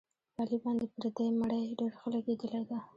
په علي باندې پردۍ مړۍ ډېره ښه لګېدلې ده.